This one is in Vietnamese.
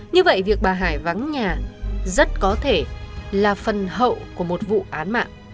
như vậy việc bà hải vắng nhà rất có thể là phần hậu của một vụ án mạng